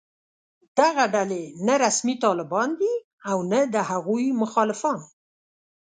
دغه ډلې نه رسمي طالبان دي او نه د هغوی مخالفان